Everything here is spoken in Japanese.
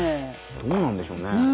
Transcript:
どうなんでしょうね。